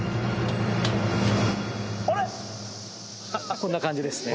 こんな感じですね。